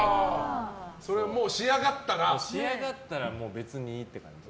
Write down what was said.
仕上がったら別にいいって感じ。